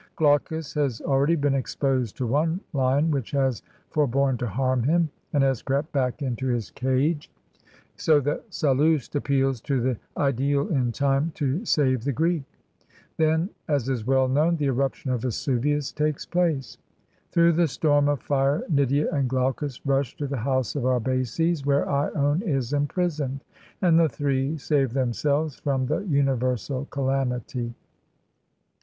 Glaucus has already been exposed to one lion which has for borne to harm him, and has crept back into his cage, 120 Digitized by VjOOQIC A HEROINE OF BULWER'S so that Sallust appeals to the aedile in time to save the Greek. Then, as is well known, the eruption of Vesu vius takes place. Through the storm of fire Nydia and Glaucus rush to the house of Arbaces where lone is imprisoned, and the three save themselves from the universal calamity.